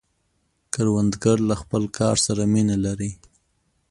کروندګر له خپل کار سره مینه لري